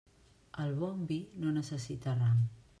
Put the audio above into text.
El bon vi no necessita ram.